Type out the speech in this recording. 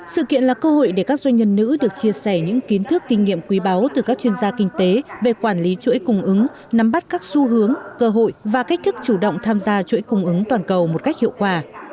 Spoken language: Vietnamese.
sự kiện là cơ hội để các doanh nhân nữ được chia sẻ những kiến thức kinh nghiệm quý báu từ các chuyên gia kinh tế về quản lý chuỗi cung ứng nắm bắt các xu hướng cơ hội và cách thức chủ động tham gia chuỗi cung ứng toàn cầu một cách hiệu quả